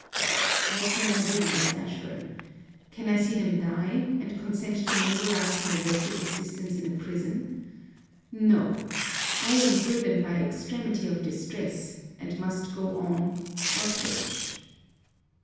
What can I do, Miss Ashburn? Can I see them die and consent to linger out my wretched existence in a prison? No! I am driven by extremity of distress; and must go on, or perish.'